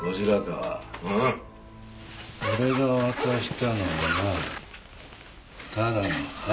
俺が渡したのはなただのハーブだ。